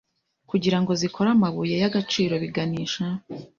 kugirango zikore amabuye y'agaciro biganisha